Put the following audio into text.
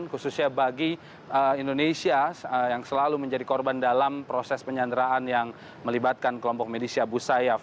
khususnya bagi indonesia yang selalu menjadi korban dalam proses penyanderaan yang melibatkan kelompok medis abu sayyaf